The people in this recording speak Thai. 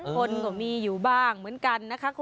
คนก็มีอยู่บ้างเหมือนกันนะคะ